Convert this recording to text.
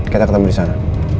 kita ketemu di sana